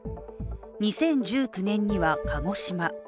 ２０１９年には鹿児島。